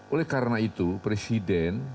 oleh karena itu presiden